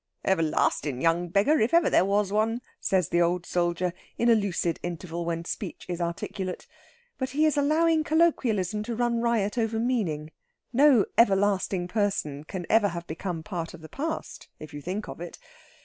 "Everlastin' young beggar, if ever there was one," says the old soldier, in a lucid interval when speech is articulate. But he is allowing colloquialism to run riot over meaning. No everlasting person can ever have become part of the past if you think of it.